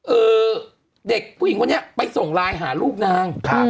เด็กผู้หญิงคนนี้ไปส่งไลน์หาลูกนาง